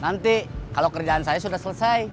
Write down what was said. nanti kalau kerjaan saya sudah selesai